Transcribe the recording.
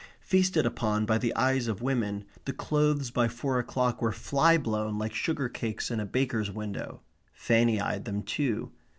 Feasted upon by the eyes of women, the clothes by four o'clock were flyblown like sugar cakes in a baker's window. Fanny eyed them too.